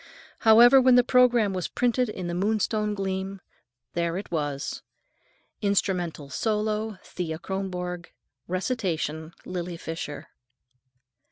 However, when the programme was printed in the Moonstone Gleam, there it was: "Instrumental solo, Thea Kronborg. Recitation, Lily Fisher."